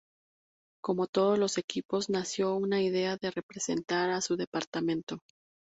Como todos los equipos, nació con la idea de representar a su departamento.